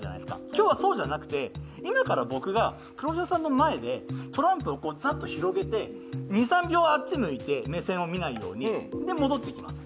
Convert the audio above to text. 今日はそうじゃなくて、今から僕が黒島さんの前でトランプを広げて２３秒あっち向いて目線を見ないように、で戻ってきます。